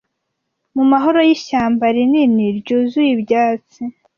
mu mahoro yishyamba rinini ryuzuye ibyatsi